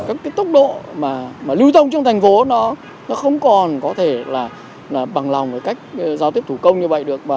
các tốc độ lưu thông trong thành phố nó không còn có thể là bằng lòng với cách giao tiếp thủ công như vậy được